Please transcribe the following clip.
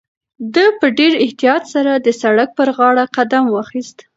ده په ډېر احتیاط سره د سړک پر غاړه قدم واخیست.